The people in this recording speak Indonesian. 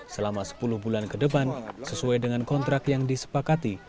selama sepuluh bulan ke depan sesuai dengan kontrak yang disepakati